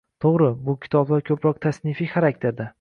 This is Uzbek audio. To‘g‘ri, bu kitoblar ko‘proq tasnifiy xarakterda